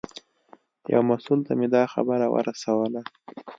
یو مسوول ته مې دا خبره ورسوله.